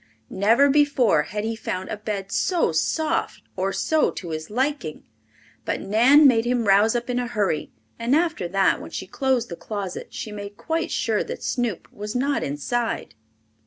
Never before had he found a bed so soft or so to his liking. But Nan made him rouse up in a hurry, and after that when she closed the closet she made quite sure that Snoop was not inside.